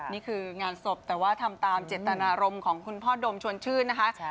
นี่คืองานศพแต่ว่าทำตามเจตนารมณ์ของคุณพ่อโดมชวนชื่นนะคะ